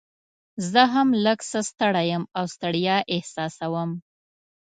زه هم لږ څه ستړی یم او ستړیا احساسوم.